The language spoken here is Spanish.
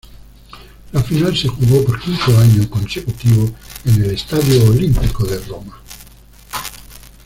La final se jugó por quinto año consecutivo en el Estadio Olímpico de Roma.